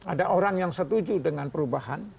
ada orang yang setuju dengan perubahan